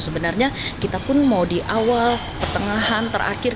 sebenarnya kita pun mau di awal pertengahan terakhir